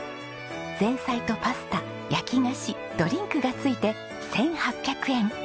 前菜とパスタ焼き菓子ドリンクが付いて１８００円。